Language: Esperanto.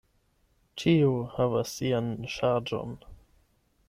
Ĉiu havas sian ŝarĝon.